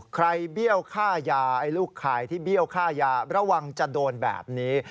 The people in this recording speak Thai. เบี้ยวค่ายาไอ้ลูกข่ายที่เบี้ยวค่ายาระวังจะโดนแบบนี้